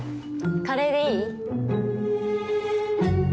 カレーでいい？